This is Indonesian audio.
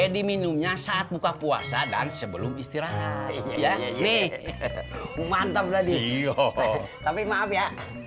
diminumnya saat buka puasa dan sebelum istirahat ya nih mantap tadi tapi maaf ya